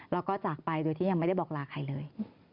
แล้วก็จากไปโดยที่ยังไม่ได้บอกลาใครเลย